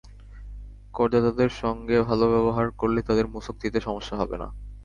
করদাতাদের সঙ্গে ভালো ব্যবহার করলে তাঁদের মূসক দিতে সমস্যা হবে না।